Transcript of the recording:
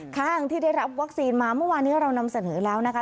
ข้างที่ได้รับวัคซีนมาเมื่อวานนี้เรานำเสนอแล้วนะคะ